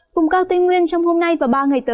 vùng cao tây nguyên trong hôm nay và ba ngày tới